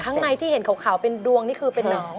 ข้างในที่เห็นขาวเป็นดวงนี่คือเป็นน้อง